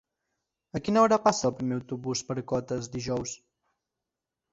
A quina hora passa el primer autobús per Cotes dijous?